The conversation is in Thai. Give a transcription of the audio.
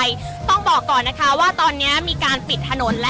เชื่อหรือเกินค่ะคุณผู้ชมว่าข้ามคืนนี้นะคะแสงเพียรนับพันนับร้อยเล่มนะคะ